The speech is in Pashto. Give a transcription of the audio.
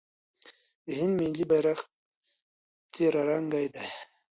د هند ملي بیرغ تیرانګه دی.